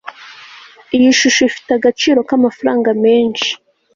iyi shusho ifite agaciro k'amafaranga menshi